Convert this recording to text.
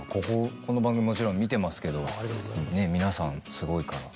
この番組もちろん見てますけど皆さんすごいから。